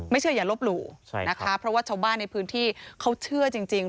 เชื่ออย่าลบหลู่นะคะเพราะว่าชาวบ้านในพื้นที่เขาเชื่อจริง